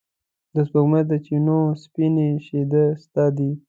د سپوږمۍ د چېنو سپینې شیدې ستا دي